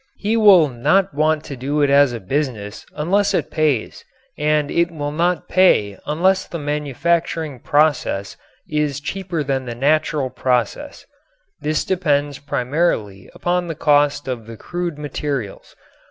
He will not want to do it as a business unless it pays and it will not pay unless the manufacturing process is cheaper than the natural process. This depends primarily upon the cost of the crude materials.